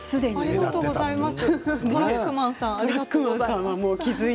ありがとうございます。